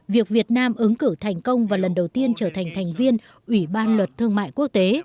việc việt nam ứng cử thành công và lần đầu tiên trở thành thành viên ủy ban luật thương mại quốc tế